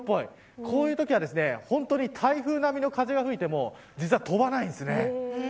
こういうときは本当に台風並みの風が吹いても飛ばないんです。